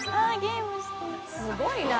すごいな。